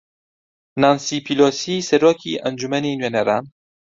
نانسی پیلۆسی سەرۆکی ئەنجومەنی نوێنەران